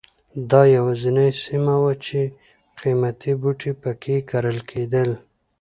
دا یوازینۍ سیمه وه چې قیمتي بوټي په کې کرل کېدل.